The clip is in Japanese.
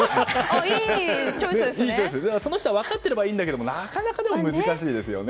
その人が分かってればいいですけどなかなか、でも難しいですね。